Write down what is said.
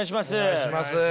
お願いします。